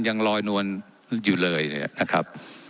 ว่าการกระทรวงบาทไทยนะครับ